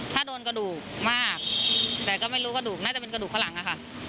ถ้าโดนกระดูกมากแต่ก็ไม่รู้กระดูกน่าจะเป็นกระดูกข้างหลังอะค่ะ